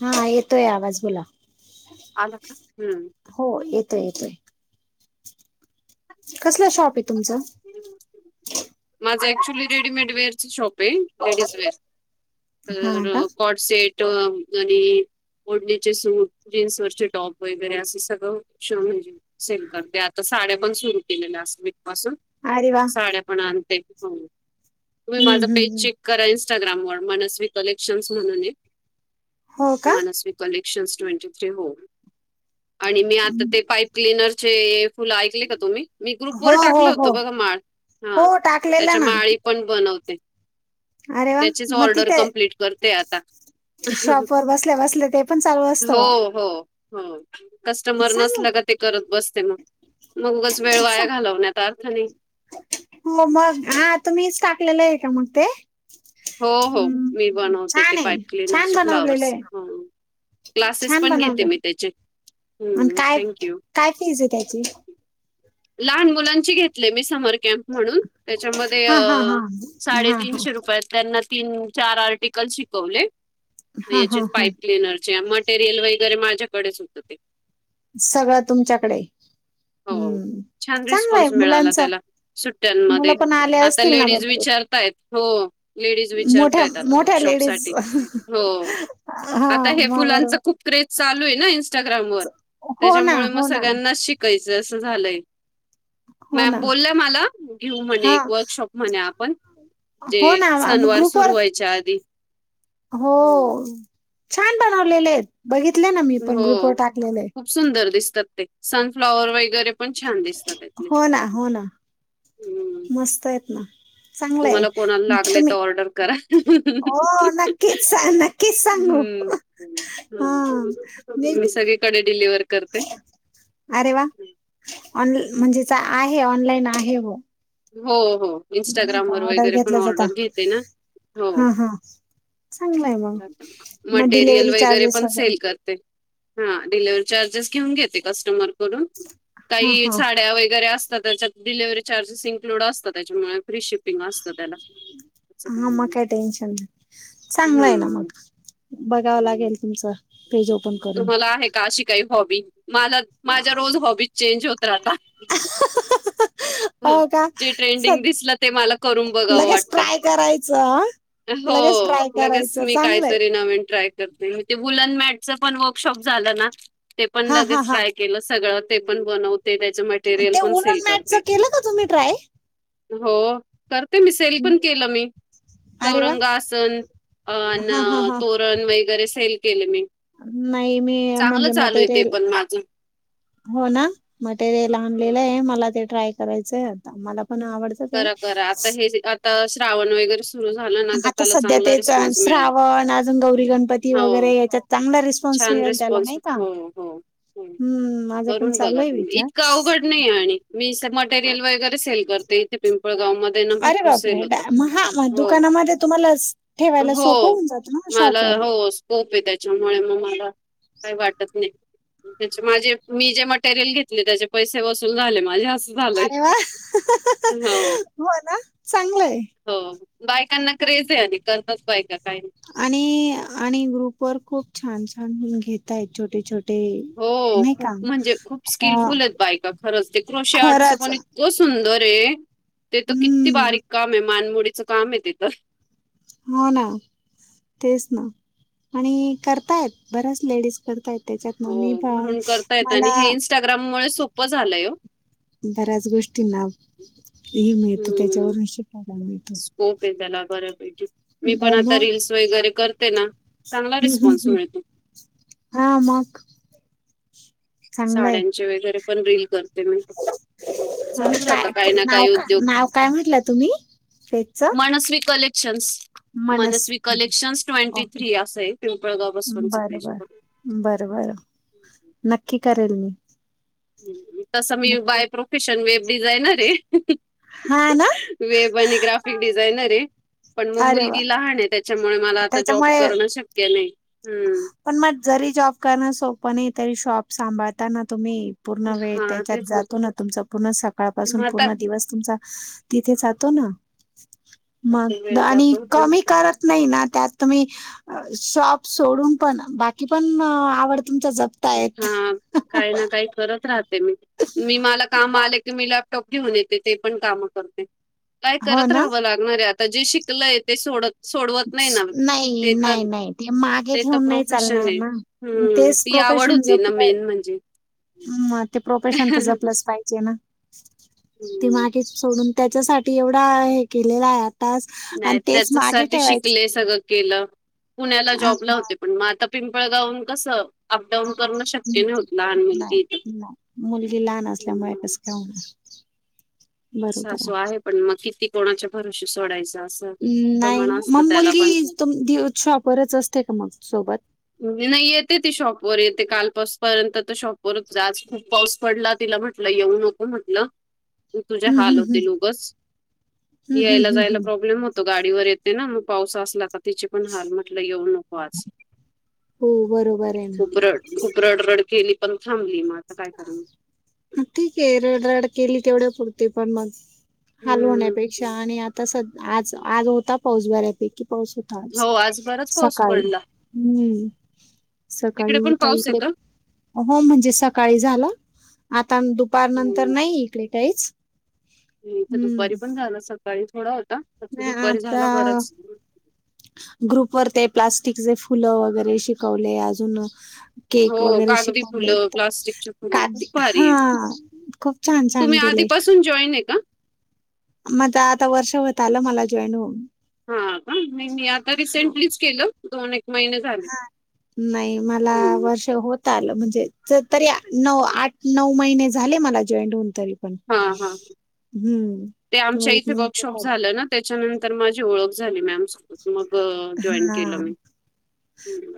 हा येतोय आवाज बोला, आल का हम्म, हो येतोय, येतोय, कसला शॉप आहे तुमचं? माझं ऍक्च्युअली रेडीमेड वेअरची शॉप आहे, लेडीज वेअर, हा का तर कॉट सट आणि, ओढणीचे सूट, जीन्सवररचे टॉप वगैरे, असं सगळं श म्हणजे, सिल्कर ते आता साड्या पण सुरू, केलेल्या लाट्स वेक पासून, अरे वा, [unintelligible] पण आणते, तुम्ही हम्म माझं हम्म पेज हम्म चेक करा, करा इनस्टाग्राम वर, मनस्वी कलेक्शन् म्हणून, हो का मनस्वी कलेक्शन ट्वेंटी थ्री हो, आणि मी आता ते पा क्लीनर चे फुलं ऐकले का तुम्ही? मी हो पोर हो टाकलं हो होतं बघा माळ हो हा, टाकलेलं त्याच्या ना माळी पण बनवते. अरे वा त्याचीच ऑर्डर कमप्लीट करते आता, शॉप वर बसल्या बसले ते पण चालू अस, हो, हो, हो कस्टमर चांगलं नसला का ते, करत बसते मग मग उगच वेळ वाया घालव, अर्थ नाही, हो मग हा तुम्हीच टाकलेलं आहे का मग ते? हो हो मी हम्म. बनवते ते, छान आहे पाईप छान क्लनरचे बनवलेलं फ्लावरर्, आहे क्लासेस छान पण घेते बनवलं मी त्याचे, आणि हं. काय थँक यू. काय फीज आहे त्याची, लहान मुलांची घेतले मी, समर कॅम्प म्हणून, त्याच्यामध्ये हा हा हा अ, हा साडेतीनशे रुपयात. त्यांना तीन चार आर्टिकल शिकवले, हा हा याचे हा हा पाईप क्लीनरचे म, रियल वगैरे माझ्याकडेच होतं ते, सगळं तुमच्याकडे, [inaudible] हम्म, छान चांगलं आहे रिस्पॉन्स मिळाला मुलांच त्याला, मुलं सुट्ट्यांमध्ये पण आले आता असतील ना लेडीज भरपूर विचारताय. हो, लेडीज मोठ्या विचारताय आता, मोठ्या वर्कशॉप लेडीज साठी हो हा आता हे म फुलांच बरोबर खूप, केरज चालू आहे ना, इंस्टाग्राम वर हो ना त्याच्यामुळे मग हो ना सगळ्यांना शिक, च अस झालंय, हो ना मॅम बोललं मला घेऊ म्हणे हा एक वर्कशॉप, म्हणे आपण, हो जे ना मग सणवार सुरू ग्रुपवर व्हायच्या आधी. हो, हं, छान बनवलेले आहेत बघितले ना, मी पण ग्रुपवर हो. टाकलेले आहे. खूप सुंदर दिसतात ते सनफ्लाॉवर वैगैरे पण छान दिसतात त्यातले. हो ना, हो ना हं. मस्त आहेत ना चांगलं आहे. तुम्हाला कोणाला लागले तर तुम्ही ऑर्डर करा. हो नक्कीच, स ना किसा हो हम्म. हो [unintelligible] कडे डिलिव्हर करते. अरे वा ऑन म्हणजे आहे ऑनलाईन आहे व. हो हो, इन्स्टाग्राम वर ऑर्डर वगैरे पण घेतल्या जात ऑर्डर घेते ना. हो. हा हा चांगला आहे मग मग मटेरियल डिलेव्हरी वगैरे चार्जेस पण सेल कर ते, हा डिलिवरी चार्जेस घेऊन घेते कस्टमरकडून. हा काही हा साड्या वगैरे असतात, त्याच्यात डिलिव्हरी चार्जेसिंग लूड असत त्याच्यामुळे फ्री शिपिंग असतं त्याला. असं हा काही मग नाही. काय टेन्शन नाही चांगलं आहे ना मग, बघावं हं. लागेल तुमचं पेज ओपन करून तुम्हाला आहे का अशी काय हॉबी? मला माझ्या रोज हॉबी चेंज होत राहतात. [inaudible] हो का जे स ट्रेंडिंग दिसलं ते मला करून बघावं लगेच वाटतं. ट्राय करायचं. लगेच हो ट्राय लगेच करायचं मी चांगलंय कायतरी नवीन ट्राय करते. ते वुलन मॅटच पण वर्कशॉप झालं ना ते पण हा हा लगेच हा ट्राय केलं सगळं ते पण बनवत ते त्याच मटेरियल ते पण सेल उलन मॅटच करते. केलं तुम्ही ट्राय हो. करते मी सेल पण केलं मी अरे वा चौरंगासन अन हा हा हा पण वगैरे सेल केले मी. नाही मी चांगलं म्हणजे चालू आहे ते मटेरियल पण माझं. हो ना मटेरियल आणलेलं आहे मला ते ट्राय करायचंय आता मला पण आवड करा करा आता हे आता श्रावण वगैरे तुझ झाल ना तर आता त्याला सध्या चांगला तेच रिस्पॉन्स मिळेल. श्रावण अजून गौरी गणपती हो. वगैरे याच्यात चांगला रिस्पॉन्स छान मिळेल त्याला रिस्पॉन्स नाही का हो हो हो. हम्म माझा पण करून चालू बघा आहे तुम्ही? गावागड विचार नाही आणि मी मटेरियल वगैरे सेल करते इथे पिंपळगाव मध्ये. ना अरे भरपूर बापरे सेल ड होतं. म हा हो दुकानामध्ये तुम्हाला ठेवायला सोपं होऊन जात. हो शॉप वर. क्सोप आहे त्याच्यामुळे मग मला काही वाटत नाही. त्याचे माझे मी जे मटेरियल घेतले त्याचे पैसे वसूल झाले माझे. असं झालंय. अरे वा! हं हं हं हो हं हो ना चांगलंय. हो. बायकांना क्रेज आहे आणि कसंच बायक काही आणि आणि ग्रुप वर खूप छान छान घेतायत छोटे-छोटे हो खूप म्हणजे खूप अ, स्किलफुल आहेत बायका खरंच ते क्रोशे आर्टसच खरंच पण तो सुंदर आहे ते तर किती हम्म बारीक काम आहे मानमोडीचं काम आहे तिथं. हो ना. तेच ना आणि करतायत बऱ्याच लेडीज करतायत. त्याच्यात मम्मी हो, पण घरून करतायेत आणि मला हे सोपं झालंय हो. बऱ्याच गोष्टींना हे मिळतो हं, त्याच्यावरून शिकायला मिळत. स्कोप आहे त्याला बर्यापैकी. मी पण आता मग रील्स वगैरे करते ना चांगला रिस्पॉन्स मिळतो. हां मग चांगलंय साड्यांचे वगैरे पण रील करते मी. आणि चालू राहता काय काही ना नाव काही का उद्योग. नाव काय म्हटलं तुम्ही? पेजच मनस्वी कलेक्शन्स मनस Manasvi collections twenty okay three असं आहे पिंपळगाव बसवांचं पाहिजे. बर बर नक्की करेल मी. तसं मी नक्की बाय प्रोफेशन वेब डिझायनर आहे. हा ना वेब आणि ग्राफिक डिझायनर आहे पण मग अरे वा मुलगी लहान आहे त्या त्याच्यामुळे मला आता जॉब त्याच्यामुळे करणं शक्य नाही्. पण मग जरी जॉब करणं सोपं नाही तरी शॉप सांभाळता ना तुम्ही? पूर्ण वेळ हा त्याच्यात तेच जातो ना तुमचा पूर्ण सकाळपासून मग आता पूर्ण दिवस तुमचा तिथे जातो ना आता मग वेळ आणि जातो पण कमी कर ते नाही ना त्यात तुम्ही शॉप सोडून पण बाकी पण आवड तुमचा जप हां काही ना काही करत राहते मी. मी मला काम आले की मीला कप घेऊन येते ते पण काम करते काय हो करत ना राहावं लागत अरे आता जे शिकलंय ते सोडत सोडवत नाही ना नाही ते नाही तर नाही ते मागे ते तर ठेवून नाही प्रोफेशन चालणार आहे. ना हं. तेच ती आवड होती ना मेन म्हणजे. म ते प्रोफेशन तर जपलंच पाहिजे ना, ते हम्म मागे सोडून त्याच्यासाठी एवढा हे केलेला हाय. नाही, त्याचासाठी शिकले सगळं केलं. पुण्याला आ, जॉबला होते पण म आता पिंपळगावंन कसं? अपडाऊन करण हूं, नाही नाही मुलगी लहान असल्यामुळे हम्म. इसकाउंन सासू आहे पण मग किती कोणाच्या भरोशी सोडायच असं. हूं, नाही, प्रमाण म असतं त्याला मुलगी पण. तुमबीशॉपरच असते का मग सोबत? नाही येते ती शॉपवर येते काल पासपर्यंत तर शॉपवरच. आज खूप पाऊस पडला तिला म्हट तिला येऊ नको म्हटलं. तुझे हम्म, हाल हम्म, हम्म. होतील उगच, हम्म, हम्म, यायला हम्म, जायला हम्म. प्रॉब्लेम हो तो गाडीवर येते ना पाऊस असला तर तिचे पण हाल, म्हटलं येऊ नको आज. हो बरोबर आये. खूप रड खूप रड रड केली पण थांबली, मग आता काय करणार. ठीक आहे रड रड केली तेवढ्या पुरती पण मग हलवणे. हम्म पेक्षा आणि आता स आज आज होता पाऊस बऱ्यापैकी पाऊस हो आज बराच पाऊस सकाळी पडला [unintelligible] सकाळी तिकडे पण हुता पाऊस आहे इकडे. का? हो म्हणजे सकाळी झाल. आता दुपार नंतर नाही इकडे काहीच. इथं हम्म दुपारी पण झाल. सकाळी थोडा होता, नाही दुपारी झाला आता बराच. ग्रुपवर ते प्लास्टिकचे फुलं वगैरे शिकवले, अजून केक हो वगैरे कागदी शिकवले फुलं तर प्लास्टिकची फुलं का? खूप भारी हा आहे खूप छान छान तुम्ही केले. आधीपासून जॉईन आहे का? माझ आता वर्ष होत आलं, मला जॉईन होऊन. हा का? मी मी आता रिसेंटलीच केलं. दोन एक महिने झा हा नाही मला वर्ष होत आलं म्हणजे तरी, नऊ आठ नऊ महिने झाले मला जॉईंन होऊन तरी. हा हा हम्म ते हो आमच्या एक इथे मिनीट वर्कशॉप पाच झालं ना त्याच्यानंतर माझी ओळख झाली मॅम शी मग अ जॉईन केलं मी.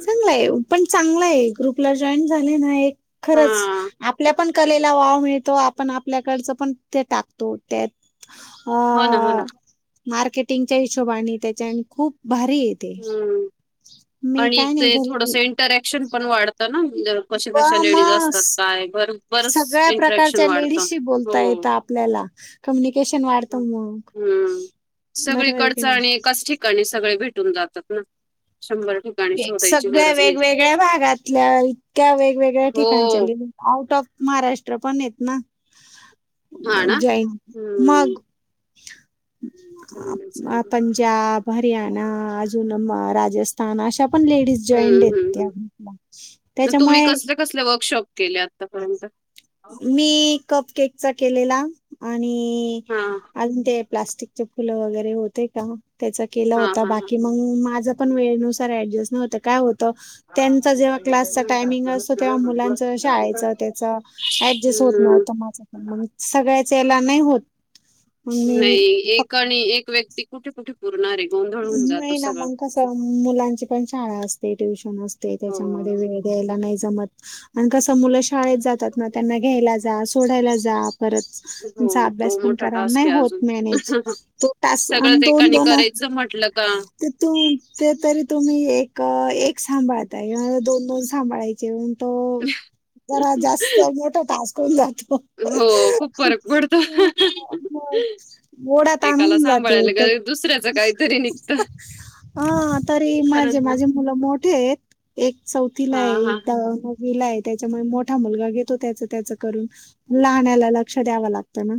चांगलाय पण चांगला आहे ग्रुपला जॉईन झाले ना, एक खरंच हा आपल्या पण कलेला वाव मिळतो. पण आपल्याकडचं पण ते टाकतो त्यात हो ना हो ना अ मार्केटिंगच्या हिशोबाने त्याच्या आणि खूप भारी येत. हम्म मी आणि काय नाही ते थोडस घरी. इंटरॅक्शन पण वाढतं ना, म्हजे कश व कशा लेडीज मग असतात काय बरं? बरच सगळ्या इंट्रॅक्शन प्रकारच्या वाढतं. लेडीजशी बोलता हो. येतं आपल्याला कम्युनिकेशन वाढत मग हम्म बरोबर आहे की सगळीकडचं नाही. आणि एकाच ठिकाणी सगळे भेटून जातात ना. शंभर ठिका एक सगळ्या वेगवेगळ्या भागातल्या, इतक्या वेगवेगळ्या ठिकाणच्या हो लेडीज आऊट ऑफ महाराष्ट्र पण येत ना. हा ना जॉईन हम्म मग. चांगलंय चांगलंय पंजाब, हरियाणा अजून राज हा ना, अशा पण लेडीज जॉईंट हम्म हम्म येत हम्म आपला तुम्ही त्याच्यामुळे कसले कसले वर्कशॉप केले आतापर्यंत. हा मी कप केकचा केलेला आणि हा अजून ते प्लास्टिकचे फुलं वगैरे होते का त्याचा केला हा होता हा बाकी मग माझा पण वेळेनुसार ॲडजस्ट व्हत काय होत. त, त्यांचा जेव्हा क्लासचा टायमिंग असतो, तेव्हा मुलांच शाळेचं त्याच ऍडजस्ट होत हम्म नव्हतं माझं, तर मग सगळ्याच ह्याला नाही होत. मग नाही मी एक आणि एक व्यक्ती कुठे कुठे पुरणार ये? व्हईना मग, कस मुलांची पण शाळा असते, ट्युशन असते, त्याच्यामध्ये हो. वेळ यायला नाही जमत आणि कस मुल शिकत शाळेत जातात ना, त्यांना घ्यायला जा, सोडायला जा, परत त्यांचा हो तो अभ्यास पण मोठा करा. टास्क नाही आहे होत अजून. मॅनेज सगळंच दोन- एकाने दोन करायचं म्हटलं का ते तु, ते तरी तुम्ही एक एक सांभाळताय, दोन दोन सांभाळायचे जेवण तो जरा जास्त मोठा टास्क होऊन जातो. हो खूप फरक पडतो. मग ओढा [inaudible] ताण एकाला होऊन जाते सांभाळायला गेलं दुसऱ्याचं काहीतरी निघत. ह तरी माझे माझे मुलं मोठे हायेत. एक चौथीला हा आहे, हा. एकटा नवीला आहे. त्याच्यामुळे मोठा मुलगा घेतो, त्याच त्याच करून लाहण्याला लक्ष द्यावं लागतं ना?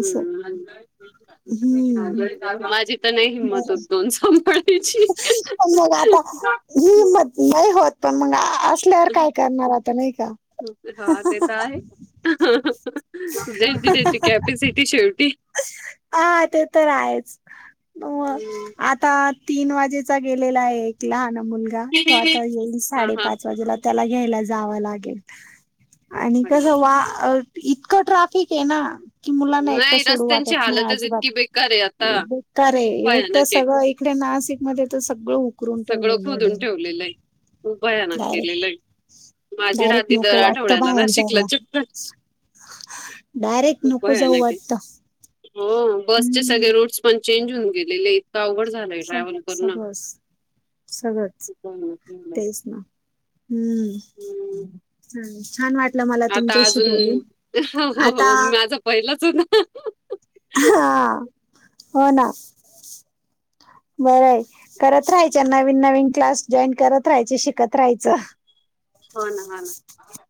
असं हम्म [unintelligible] माझी? तर नाही हिंमत बरं होत दोन सांभाळायची. पण मग आता, हिमत नाही होत मगा. असल्यावर काय करणार आता नाही का? हा ते तर आहे. ज्यांची ज्यांची कॅपेसिटी शेवटी. हा ते तर आहेच. म हम्म. आता तीन वाजेचा गेलेला आहे, एक लहान मुलगा. तो आता येईल हा हा. साडेपाच वाजेला त्याला घ्यायला जावं लागेल आणि अरे कस बापरे वा इतकं ट्राफिक हे ना कि मुलांना एकटं नाही सोडू रस्त्यांची वाटत नाही हालतच अजिबात. इतकी बेकार आहे आता बेकार रे एक तर भयानक आहे. सगळं एक इथे नाशिक मध्ये तर सगळं उकरून सगळं ठेवलेलं आहे खोदून डायरेक्ट. ठेवलेलंय. भयानक डायरेक्ट केलेलंय. माझी डायरेक्ट [unintelligible] दर नको वाटतं आठवड्याला ना बाहेर शिकला जायला चक्क डायरेक्ट नको जाऊ वाटत. हा बसचे सगळे रूट्स पण चेंज होऊन गेलेले, इतक अवघड झा सह सहस सगळच, खूप भयानक झालंय. तेच ना. हम्म हम्म. ह छान वाटलं मला आता तुमच्याशी बोलून अजून आता हो माझा पहिलाच हो ना हा हो ना, बरंय. करत राहायच्या. नवीन नवीन क्लास जॉईन करत राहायचे, शिकत राहायचं. हो ना, हा ना.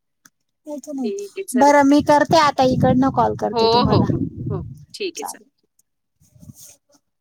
नाहीच नाही. ठीक आहे चला. बरं मी करते आता इकडनं कॉल हो, करते हो, तुम्हाला हो, हो. ठीक आहे चला. चालेल. [inaudible]